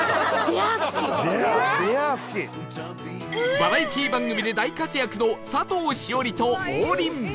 バラエティー番組で大活躍の佐藤栞里と王林